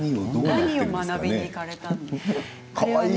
何を学びに行かれたんですか？